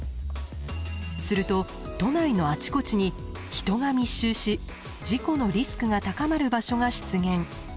すると都内のあちこちに人が密集し事故のリスクが高まる場所が出現。